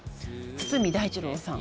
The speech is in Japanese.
堤大二郎さん